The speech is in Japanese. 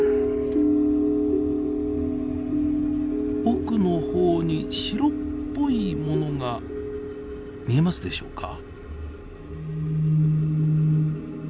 奥の方に白っぽいものが見えますでしょうか？